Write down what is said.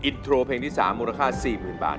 อินโทรเพลงที่๓มูลค่า๔๐๐๐บาท